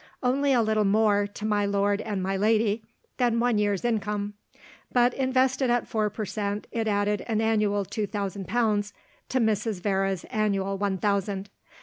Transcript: Only a little more, to my lord and my lady, than one year's income. But, invested at four percent, it added an annual two thousand pounds to Mrs. Vere's annual one thousand.